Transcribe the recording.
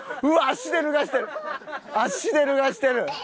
うわっ足で脱がしてる！